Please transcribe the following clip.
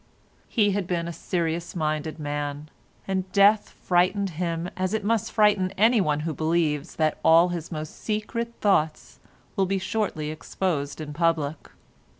He had been a serious minded man, and death frightened him as it must frighten anyone who believes that all his most secret thoughts will be shortly exposed in public.